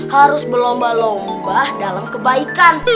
harus berlomba lomba dalam kebaikan